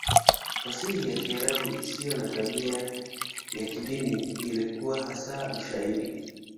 Fasihi ya Kiarabu isiyo na tabia ya kidini ilikuwa hasa Ushairi.